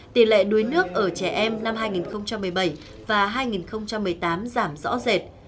tỷ lệ đuối nước ở trẻ em năm hai nghìn một mươi bảy và hai nghìn một mươi tám giảm rõ rệt